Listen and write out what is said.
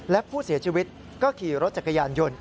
และผู้เสียชีวิตก็ขี่รถจักรยานยนต์